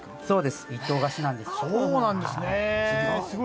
そうなんですね！